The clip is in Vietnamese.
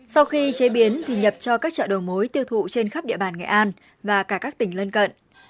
sau khi chế biến thì nhập cho các chợ đầu mối tiêu thụ trên khắp địa bàn nghệ an và cả các tỉnh lân cận